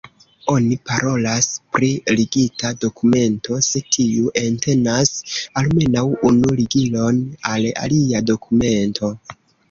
Oni parolas pri ligita dokumento, se tiu entenas almenaŭ unu ligilon al alia dokumento.